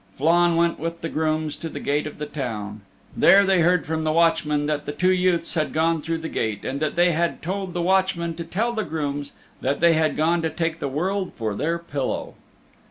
Flann went with the grooms to the gate of the town. There they heard from the watchman that the two youths had gone through the gate and that they had told the watchman to tell the grooms that they had gone to take the world for their pillow.